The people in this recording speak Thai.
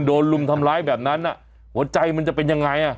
ลุมทำร้ายแบบนั้นหัวใจมันจะเป็นยังไงอ่ะ